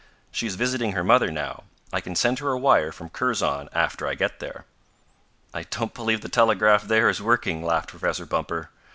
She is visiting her mother now. I can send her a wire from Kurzon after I get there." "I don't believe the telegraph there is working," laughed Professor Bumper.